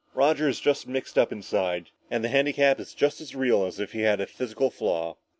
Roger is just mixed up inside. And the handicap is just as real as if he had a physical flaw.